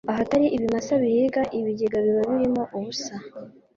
Ahatari ibimasa bihinga ibigega biba birimo ubusa